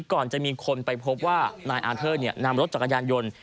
ก่อนจะมีคนไปพบว่านายอาเทอร์นำรถจักรยานยนต์